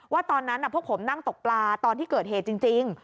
ตอนนั้นพวกผมนั่งตกปลาตอนที่เกิดเหตุจริง